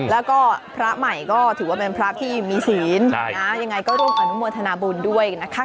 แล้วก็พระใหม่ก็ถือว่าเป็นพระพี่มีศีลนะอย่างไรก็โรคอนุมวัฒนบุญด้วยนะคะ